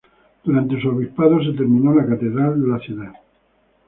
Durante su obispado se terminó la Catedral de la ciudad.